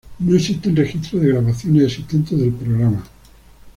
No existen registros de grabaciones existentes del programa.